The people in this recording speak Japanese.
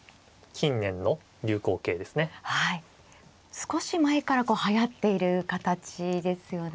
少し前からこうはやっている形ですよね。